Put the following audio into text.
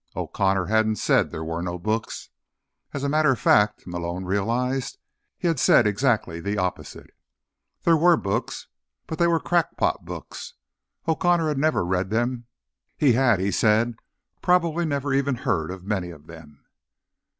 O'Connor hadn't said there were no books. As a matter of fact, Malone realized, he'd said exactly the opposite. There were books. But they were "crackpot" books. O'Connor had never read them. He had, he said, probably never even heard of many of them.